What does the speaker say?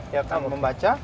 ya kamu membaca